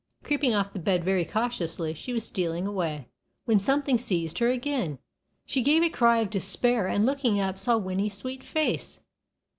Creeping off the bed very cautiously, she was stealing away, when something seized her again. She gave a cry of despair, and looking up, saw Winnie's sweet face.